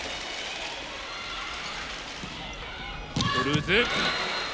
ドルーズ。